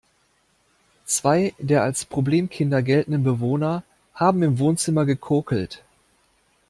Zwei der als Problemkinder geltenden Bewohner haben im Wohnzimmer gekokelt.